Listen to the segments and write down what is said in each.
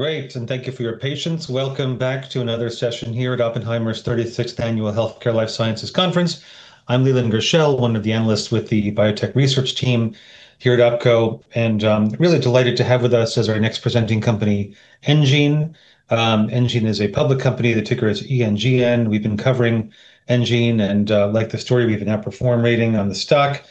Great, thank you for your patience. Welcome back to another session here at Oppenheimer's 36th Annual Healthcare Life Sciences Conference. I'm Leland Gershell, one of the analysts with the biotech research team here at OpCo, and really delighted to have with us as our next presenting company, enGene. enGene is a public company. The ticker is ENGN. We've been covering enGene, and like the story, we have an outperform rating on the stock.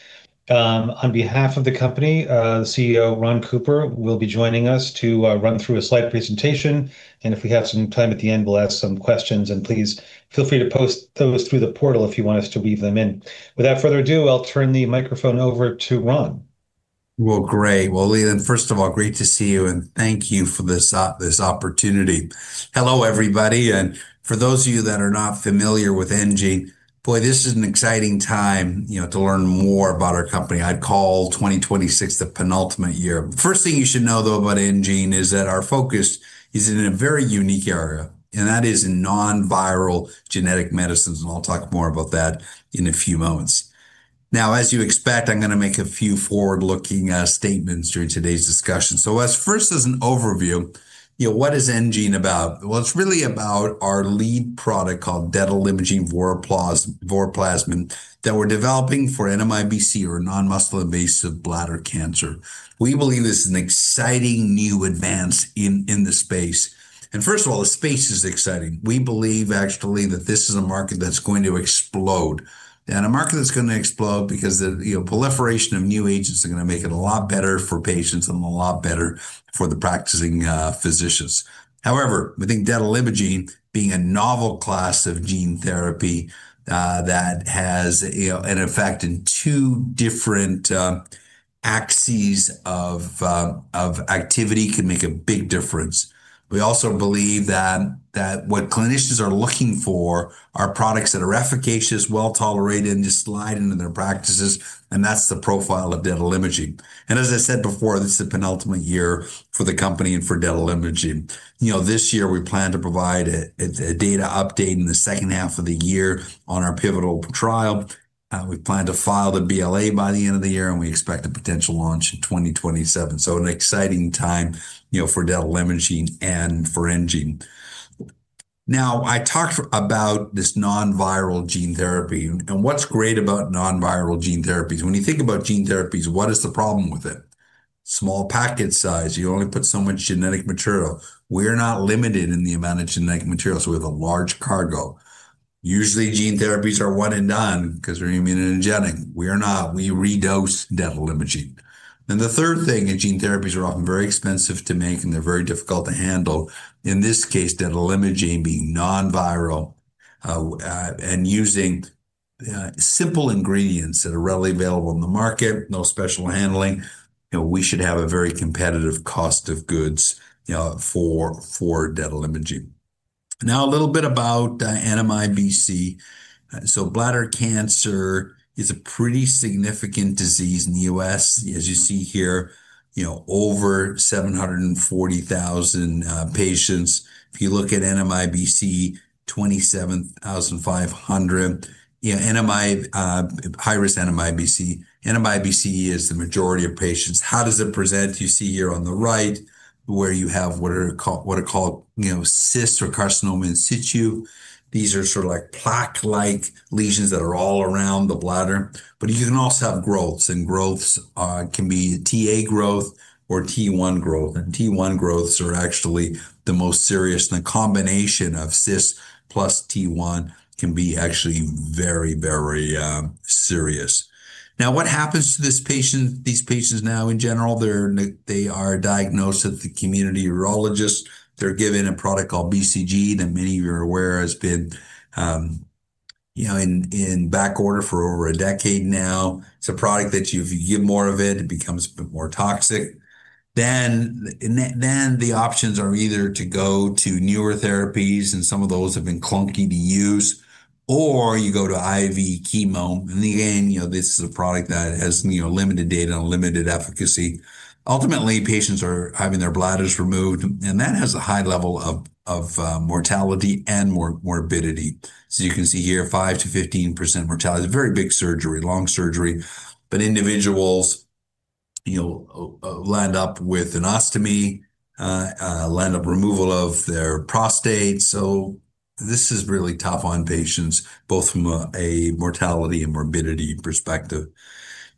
On behalf of the company, CEO Ron Cooper will be joining us to run through a slide presentation, and if we have some time at the end, we'll ask some questions. Please feel free to post those through the portal if you want us to weave them in. Without further ado, I'll turn the microphone over to Ron. Well, great! Well, Leland Gershell, first of all, great to see you, and thank you for this opportunity. Hello, everybody, and for those of you that are not familiar with enGene, boy, this is an exciting time, you know, to learn more about our company. I'd call 2026 the penultimate year. First thing you should know, though, about enGene is that our focus is in a very unique area, and that is non-viral genetic medicines, and I'll talk more about that in a few moments. As you expect, I'm gonna make a few forward-looking statements during today's discussion. As first as an overview, you know, what is enGene about? Well, it's really about our lead product called detalimogene voraplasmid that we're developing for NMIBC, or non-muscle invasive bladder cancer. We believe this is an exciting new advance in the space. First of all, the space is exciting. We believe actually that this is a market that's going to explode. A market that's gonna explode because the, you know, proliferation of new agents are gonna make it a lot better for patients and a lot better for the practicing physicians. We think detalimogene being a novel class of gene therapy that has, you know, an effect in two different axes of activity can make a big difference. We also believe that what clinicians are looking for are products that are efficacious, well-tolerated, and just slide into their practices, and that's the profile of detalimogene. As I said before, this is the penultimate year for the company and for detalimogene. You know, this year we plan to provide a data update in the second half of the year on our pivotal trial. We plan to file the BLA by the end of the year, and we expect a potential launch in 2027, so an exciting time, you know, for detalimogene and for enGene. I talked about this non-viral gene therapy, what's great about non-viral gene therapies? When you think about gene therapies, what is the problem with it? Small packet size. You only put so much genetic material. We're not limited in the amount of genetic material, so we have a large cargo. Usually, gene therapies are one and done because they're immunogenic. We are not. We redose detalimogene. The third thing, is gene therapies are often very expensive to make, and they're very difficult to handle. In this case, detalimogene being non-viral, and using simple ingredients that are readily available in the market, no special handling, you know, we should have a very competitive cost of goods, you know, for detalimogene. A little bit about NMIBC. Bladder cancer is a pretty significant disease in the U.S. As you see here, you know, over 740,000 patients. If you look at NMIBC, 27,500. Yeah, NMI, high-risk NMIBC. NMIBC is the majority of patients. How does it present? You see here on the right, where you have what are called, you know, CIS or carcinoma in situ. These are sort of like plaque-like lesions that are all around the bladder. You can also have growths, and growths can be Ta growth or T1 growth. T1 growths are actually the most serious. The combination of CIS plus T1 can be actually very, very serious. What happens to these patients now, in general? They are diagnosed at the community urologist. They're given a product called BCG, that many of you are aware has been, you know, in back order for over a decade now. It's a product that if you give more of it becomes a bit more toxic. The options are either to go to newer therapies, and some of those have been clunky to use, or you go to IV chemo, and again, you know, this is a product that has, you know, limited data and limited efficacy. Ultimately, patients are having their bladders removed, and that has a high level of mortality and morbidity. You can see here, 5%-15% mortality. It's a very big surgery, long surgery, but individuals, you know, land up with an ostomy, land up removal of their prostate. This is really tough on patients, both from a mortality and morbidity perspective.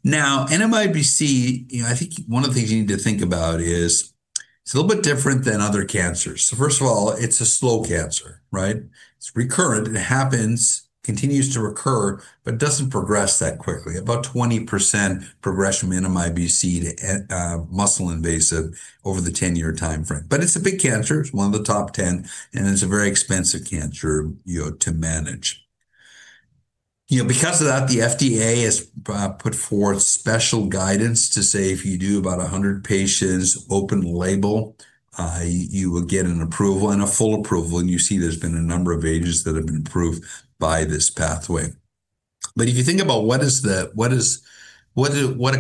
NMIBC, you know, I think one of the things you need to think about is it's a little bit different than other cancers. First of all, it's a slow cancer, right? It's recurrent. It happens, continues to recur, but doesn't progress that quickly. About 20% progression from NMIBC to muscle-invasive over the 10-year timeframe. It's a big cancer. It's one of the top 10, and it's a very expensive cancer, you know, to manage. You know, because of that, the FDA has put forward special guidance to say if you do about 100 patients open label, you will get an approval and a full approval, and you see there's been a number of agents that have been approved by this pathway. If you think about what a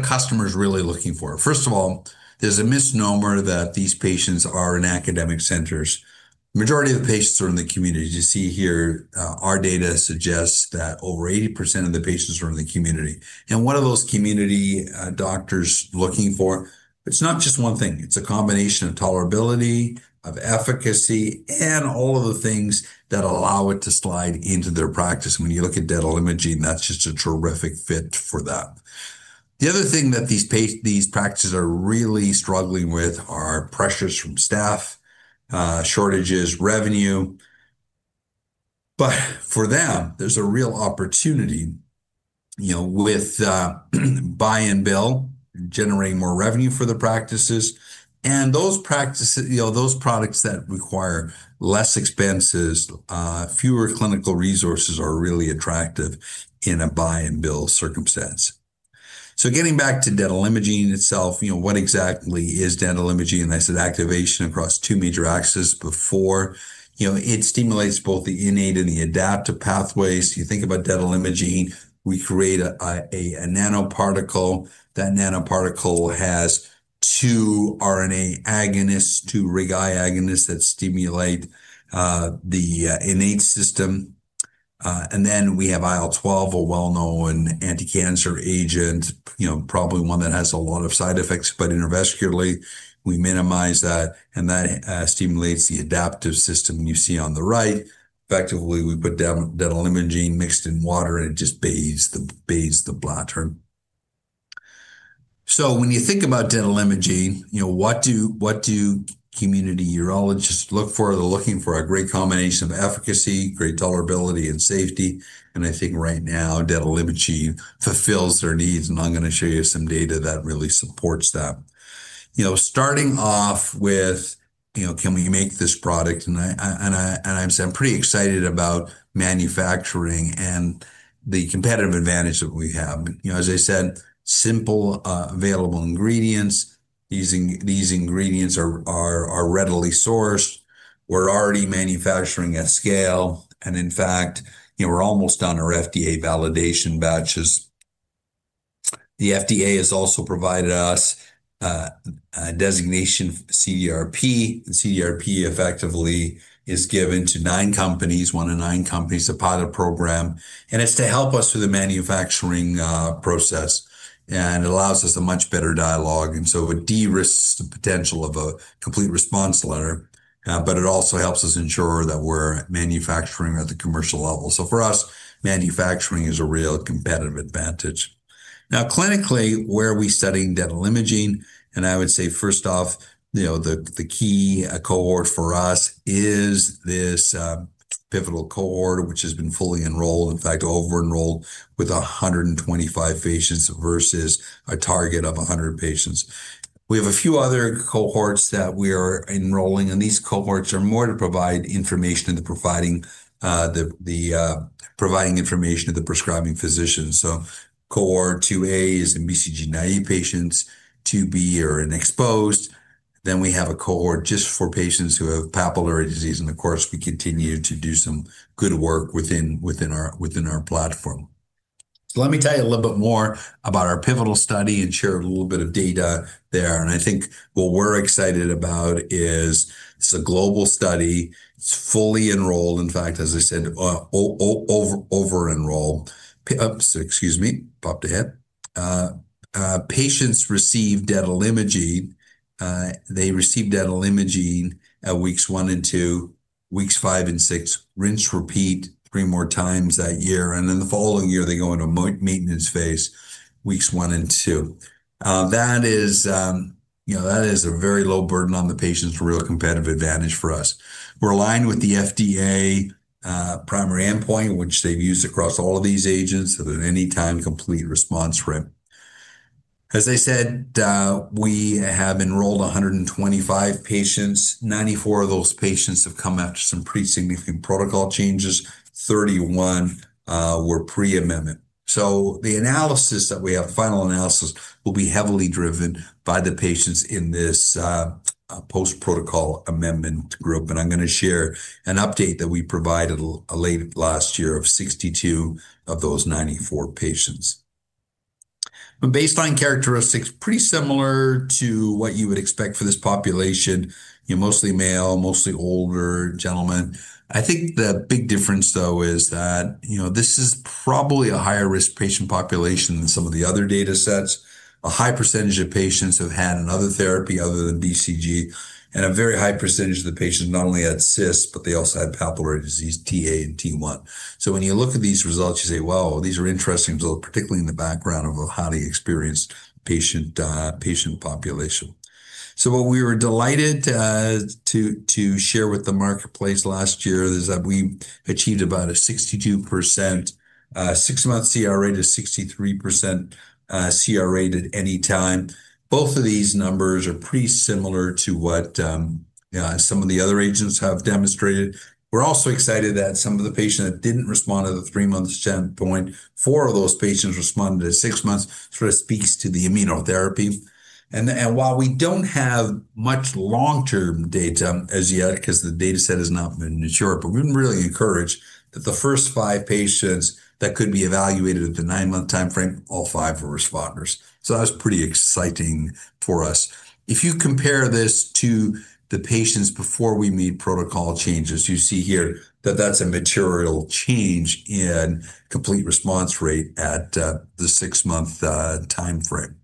customer is really looking for? First of all, there's a misnomer that these patients are in academic centers. Majority of the patients are in the community. As you see here, our data suggests that over 80% of the patients are in the community, and what are those community doctors looking for? It's not just one thing. It's a combination of tolerability, of efficacy, and all of the things that allow it to slide into their practice. When you look at detalimogene, that's just a terrific fit for that. The other thing that these practices are really struggling with are pressures from staff, shortages, revenue. For them, there's a real opportunity, you know, with buy and bill, generating more revenue for the practices. Those practices, you know, those products that require less expenses, fewer clinical resources are really attractive in a buy and bill circumstance. Getting back to detalimogene itself, you know, what exactly is detalimogene? I said activation across two major axes before. You know, it stimulates both the innate and the adaptive pathways. You think about detalimogene, we create a nanoparticle. That nanoparticle has two RNA agonists, two RIG-I agonists that stimulate the innate system. We have IL-12, a well-known anticancer agent, you know, probably one that has a lot of side effects, but intravesically, we minimize that, and that stimulates the adaptive system you see on the right. Effectively, we put down detalimogene mixed in water, and it just bathes the bladder. When you think about detalimogene, you know, what do community urologists look for? They're looking for a great combination of efficacy, great tolerability, and safety. I think right now, detalimogene fulfills their needs, and I'm gonna show you some data that really supports that. You know, starting off with, you know, can we make this product? I said, I'm pretty excited about manufacturing and the competitive advantage that we have. You know, as I said, simple, available ingredients. These ingredients are readily sourced. We're already manufacturing at scale, and in fact, you know, we're almost on our FDA validation batches. The FDA has also provided us a designation, CDRP. CDRP effectively is given to nine companies, one in nine companies, a pilot program, and it's to help us through the manufacturing process, so it de-risks the potential of a complete response letter. It also helps us ensure that we're manufacturing at the commercial level. For us, manufacturing is a real competitive advantage. Now, clinically, where are we studying detalimogene? I would say, first off, you know, the key cohort for us is this pivotal cohort, which has been fully enrolled, in fact, over-enrolled, with 125 patients versus a target of 100 patients. We have a few other cohorts that we are enrolling, and these cohorts are more to provide information into providing information to the prescribing physician. Cohort 2A is BCG-naive patients, 2B are unexposed, then we have a cohort just for patients who have papillary disease. Of course, we continue to do some good work within our platform. Let me tell you a little bit more about our pivotal study and share a little bit of data there. I think what we're excited about is it's a global study. It's fully enrolled, in fact, as I said, over-enrolled. Excuse me, popped ahead. Patients receive detalimogene. They receive detalimogene at weeks one and two, weeks five and six, rinse, repeat three more times that year, and then the following year, they go into maintenance phase, weeks one and two. That is, you know, that is a very low burden on the patients, a real competitive advantage for us. We're aligned with the FDA, primary endpoint, which they've used across all of these agents, so that at any time, Complete Response rate. As I said, we have enrolled 125 patients. 94 of those patients have come after some pretty significant protocol changes. 31 were pre-amendment. The analysis that we have, the final analysis, will be heavily driven by the patients in this post-protocol amendment group, and I'm gonna share an update that we provided late last year of 62 of those 94 patients. Baseline characteristics, pretty similar to what you would expect for this population, you know, mostly male, mostly older gentlemen. I think the big difference, though, is that, you know, this is probably a higher-risk patient population than some of the other datasets. A high % of patients have had another therapy other than BCG, and a very high % of the patients not only had CIS, but they also had papillary disease, Ta and T1. When you look at these results, you say, "Wow, these are interesting results, particularly in the background of a highly experienced patient population." What we were delighted to share with the marketplace last year is that we achieved about a 62% six-month CR rate to 63% CR rate at any time. Both of these numbers are pretty similar to what some of the other agents have demonstrated. We're also excited that some of the patients that didn't respond to the three-month standpoint, four of those patients responded to six months, so this speaks to the immunotherapy. While we don't have much long-term data as yet, because the dataset has not been mature, but we're really encouraged that the first five patients that could be evaluated at the nine-month timeframe, all five were responders. That was pretty exciting for us. If you compare this to the patients before we made protocol changes, you see here that that's a material change in Complete Response rate at the six-month timeframe.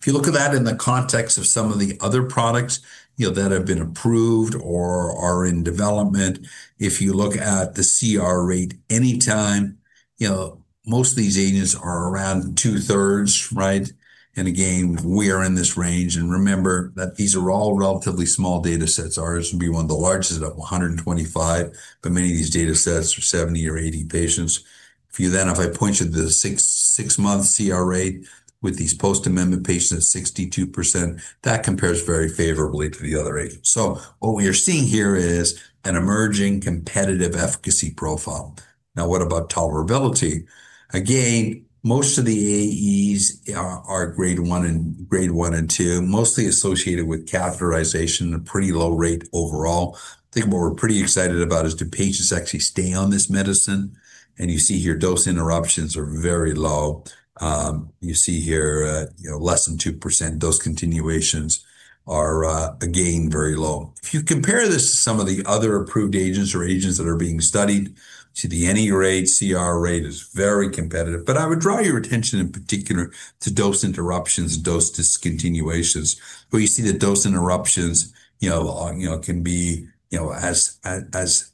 If you look at that in the context of some of the other products, you know, that have been approved or are in development, if you look at the CR rate, anytime, you know, most of these agents are around two-thirds, right? Again, we are in this range. Remember that these are all relatively small data sets. Ours would be one of the largest, about 125, but many of these data sets are 70 or 80 patients. If you then, if I point you to the six-month CR rate with these post-amendment patients at 62%, that compares very favorably to the other agents. What we are seeing here is an emerging competitive efficacy profile. Now, what about tolerability? Again, most of the AEs are Grade one and Grade one and two, mostly associated with catheterization, a pretty low rate overall. I think what we're pretty excited about is do patients actually stay on this medicine? You see here, dose interruptions are very low. You see here, you know, less than 2%. Dose continuations are again, very low. If you compare this to some of the other approved agents or agents that are being studied, see the NE rate, CR rate is very competitive. I would draw your attention in particular to dose interruptions, dose discontinuations, where you see the dose interruptions, you know, can be, you know, as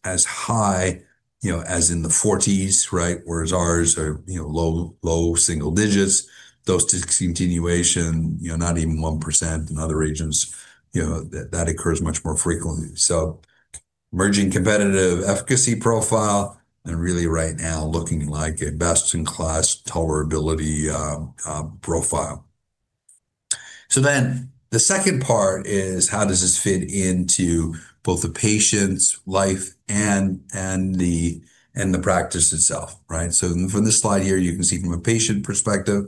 high, you know, as in the 40s, right? Whereas ours are, you know, low, low single digits. Dose discontinuation, you know, not even 1% in other agents. You know, that occurs much more frequently. Emerging competitive efficacy profile, and really right now looking like a best-in-class tolerability profile. The second part is how does this fit into both the patient's life and the practice itself, right? From this slide here, you can see from a patient perspective,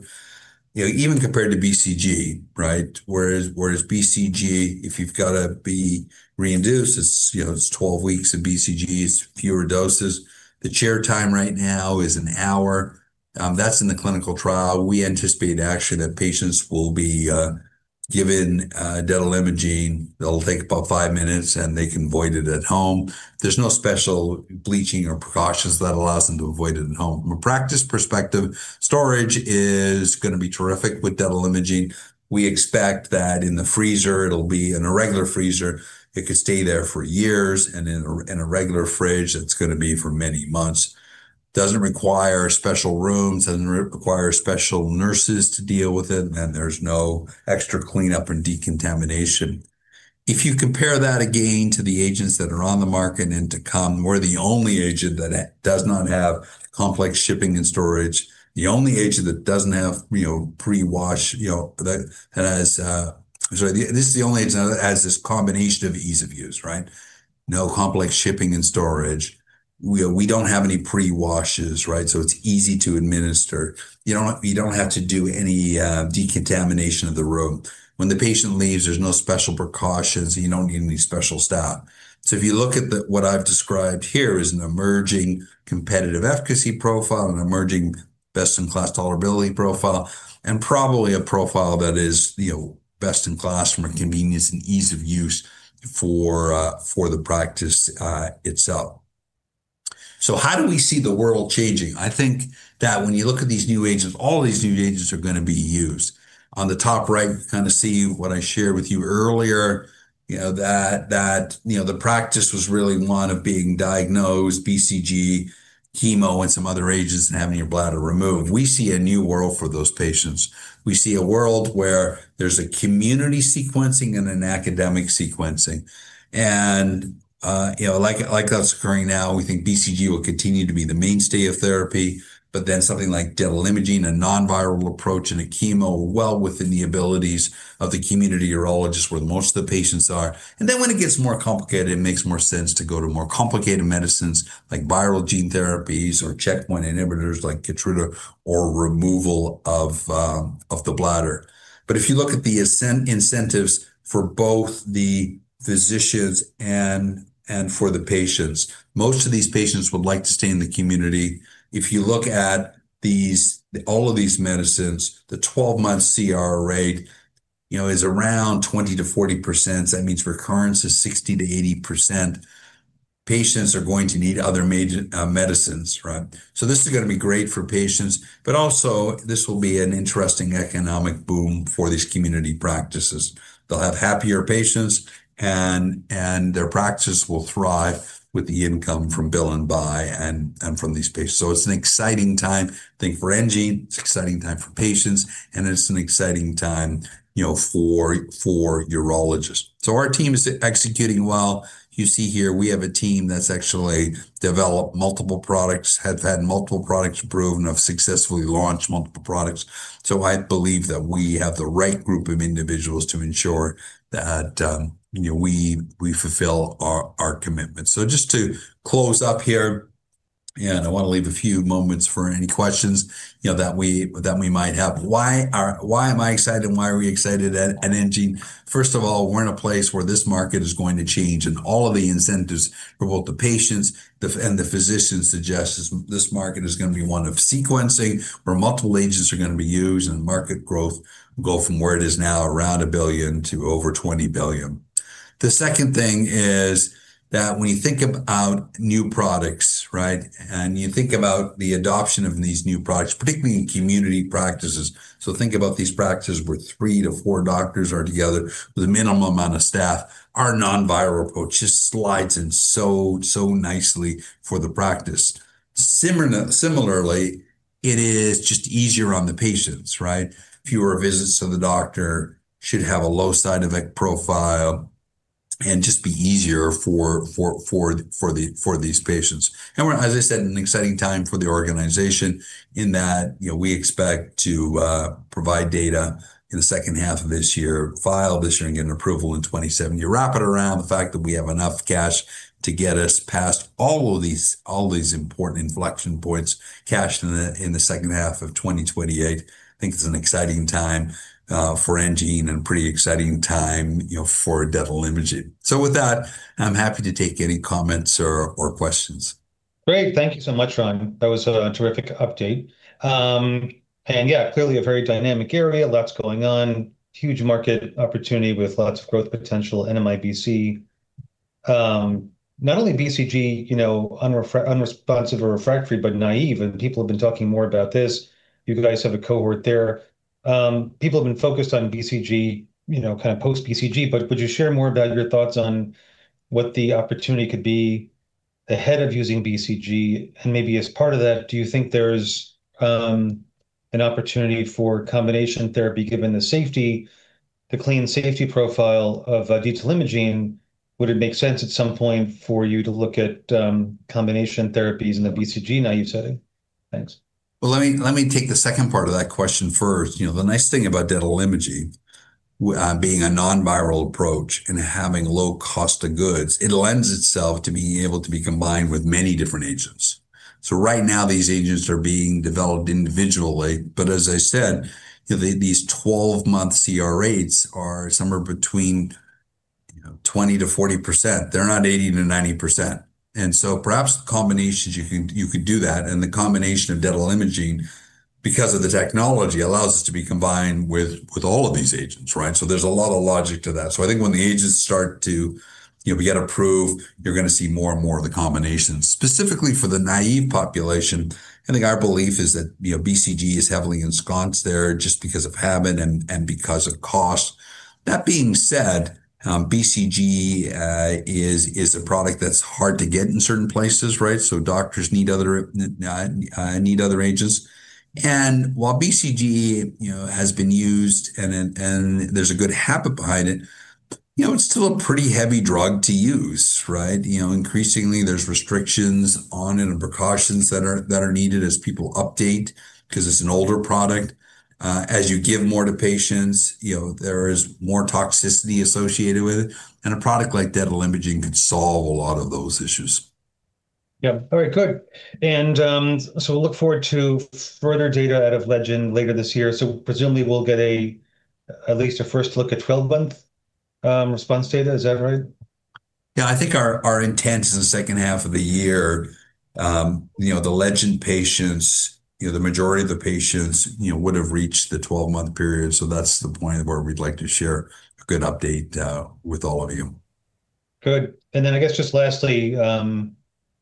you know, even compared to BCG, right? Whereas BCG, if you've got to be reinduced, it's, you know, it's 12 weeks, and BCG is fewer doses. The chair time right now is an hour. That's in the clinical trial. We anticipate actually that patients will be given detalimogene. That'll take about five minutes, and they can void it at home. There's no special bleaching or precautions. That allows them to avoid it at home. From a practice perspective, storage is gonna be terrific with detalimogene. We expect that in the freezer, it'll be in a regular freezer, it could stay there for years, and in a regular fridge, it's gonna be for many months. Doesn't require special rooms, doesn't require special nurses to deal with it, and there's no extra cleanup and decontamination. If you compare that again to the agents that are on the market and to come, we're the only agent that does not have complex shipping and storage, the only agent that doesn't have, you know, pre-wash, you know, that has. Sorry, this is the only agent that has this combination of ease of use, right? No complex shipping and storage. We don't have any pre-washes, right? It's easy to administer. You don't have to do any decontamination of the room. When the patient leaves, there's no special precautions, and you don't need any special staff. If you look at the, what I've described here is an emerging competitive efficacy profile, an emerging best-in-class tolerability profile, and probably a profile that is, you know, best-in-class from a convenience and ease of use for the practice itself. How do we see the world changing? I think that when you look at these new agents, all these new agents are gonna be used. On the top right, you kind of see what I shared with you earlier, you know, that, you know, the practice was really one of being diagnosed, BCG, chemo, and some other agents, and having your bladder removed. We see a new world for those patients. We see a world where there's a community sequencing and an academic sequencing. You know, that's occurring now, we think BCG will continue to be the mainstay of therapy. Something like detalimogene, a non-viral approach, and a chemo are well within the abilities of the community urologist, where most of the patients are. When it gets more complicated, it makes more sense to go to more complicated medicines like viral gene therapies or checkpoint inhibitors like KEYTRUDA or removal of the bladder. If you look at the incentives for both the physicians and for the patients, most of these patients would like to stay in the community. If you look at all of these medicines, the 12-month CR rate, you know, is around 20%-40%. That means recurrence is 60%-80%. Patients are going to need other major medicines, right? This is going to be great for patients, but also this will be an interesting economic boom for these community practices. They'll have happier patients, and their practice will thrive with the income from bill and buy and from these patients. It's an exciting time, I think, for enGene, it's an exciting time for patients, and it's an exciting time, you know, for urologists. Our team is executing well. You see here we have a team that's actually developed multiple products, have had multiple products approved, and have successfully launched multiple products. I believe that we have the right group of individuals to ensure that, you know, we fulfill our commitments. Just to close up here, I wanna leave a few moments for any questions, you know, that we, that we might have. Why am I excited, why are we excited at enGene? First of all, we're in a place where this market is going to change, all of the incentives for both the patients, and the physicians suggest is this market is gonna be one of sequencing, where multiple agents are gonna be used, market growth will go from where it is now, around $1 billion, to over $20 billion. The second thing is that when you think about new products, right? You think about the adoption of these new products, particularly in community practices, so think about these practices where three to four doctors are together with a minimum amount of staff. Our non-viral approach just slides in so nicely for the practice. Similarly, it is just easier on the patients, right? Fewer visits to the doctor, should have a low side effect profile, and just be easier for these patients. We're, as I said, an exciting time for the organization in that, you know, we expect to provide data in the second half of this year, file this year and get an approval in 2027. Wrap it around the fact that we have enough cash to get us past all these important inflection points, cash in the, in the second half of 2028. I think it's an exciting time for enGene and pretty exciting time, you know, for detalimogene. With that, I'm happy to take any comments or questions. Great. Thank you so much, Ron. That was a terrific update. Yeah, clearly a very dynamic area, lots going on, huge market opportunity with lots of growth potential in MIBC. Not only BCG, you know, unresponsive or refractory, but naive, and people have been talking more about this. You guys have a cohort there. People have been focused on BCG, you know, kind of post-BCG, would you share more about your thoughts on what the opportunity could be ahead of using BCG? Maybe as part of that, do you think there's an opportunity for combination therapy, given the clean safety profile of detalimogene, would it make sense at some point for you to look at combination therapies in the BCG naive setting? Thanks. Well, let me, let me take the second part of that question first. You know, the nice thing about detalimogene being a non-viral approach and having low cost of goods, it lends itself to being able to be combined with many different agents. Right now, these agents are being developed individually, but as I said, you know, these 12-month CR rates are somewhere between, you know, 20%-40%. They're not 80%-90%. Perhaps the combinations you could do that, and the combination of detalimogene, because of the technology, allows us to be combined with all of these agents, right? There's a lot of logic to that. I think when the agents start to, you know, get approved, you're gonna see more and more of the combinations. Specifically for the naive population, I think our belief is that, you know, BCG is heavily ensconced there just because of habit and because of cost. That being said, BCG is a product that's hard to get in certain places, right? Doctors need other need other agents. While BCG, you know, has been used and there's a good habit behind it, you know, it's still a pretty heavy drug to use, right? You know, increasingly, there's restrictions on it and precautions that are needed as people update, 'cause it's an older product. As you give more to patients, you know, there is more toxicity associated with it, and a product like detalimogene could solve a lot of those issues. Yeah. All right, good. We'll look forward to further data out of LEGEND later this year. Presumably, we'll get a, at least a first look at 12-month, response data. Is that right? Yeah, I think our intent is the second half of the year. you know, the LEGEND patients, you know, the majority of the patients, you know, would have reached the 12-month period, so that's the point where we'd like to share a good update, with all of you. Good. I guess, just lastly,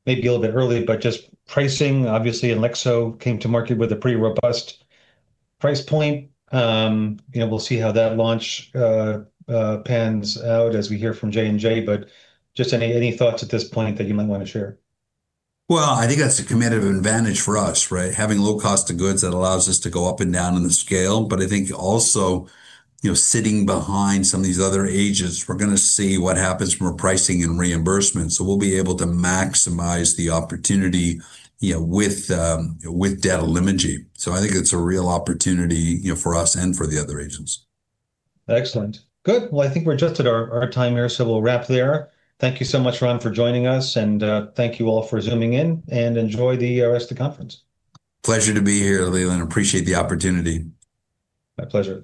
maybe a little bit early, but just pricing. Obviously, ANKTIVA came to market with a pretty robust price point. You know, we'll see how that launch pans out as we hear from J&J, but just any thoughts at this point that you might wanna share? I think that's a competitive advantage for us, right? Having low cost of goods that allows us to go up and down on the scale, but I think also, you know, sitting behind some of these other agents, we're gonna see what happens from a pricing and reimbursement. We'll be able to maximize the opportunity, you know, with detalimogene. I think it's a real opportunity, you know, for us and for the other agents. Excellent. Good. Well, I think we're just at our time here, so we'll wrap there. Thank you so much, Ron, for joining us, and thank you all for Zooming in, and enjoy the rest conference. Pleasure to be here, Leland. Appreciate the opportunity. My pleasure.